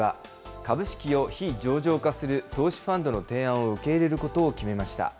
株式を非上場化する投資ファンドの提案を受け入れることを決めました。